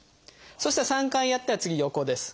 そしたら３回やったら次横です。